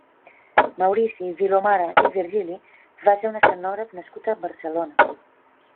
Maurici Vilomara i Virgili va ser un escenògraf nascut a Barcelona.